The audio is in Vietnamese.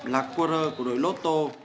là quarter của đội lotto